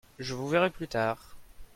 Je vous verrai plus tard.